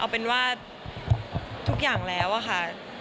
เอาเป็นว่าทุกอย่างแล้วอะค่ะ